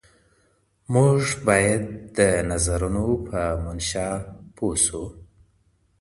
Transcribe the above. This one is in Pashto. موږ باید د نظرونو په منشأ پوه شو.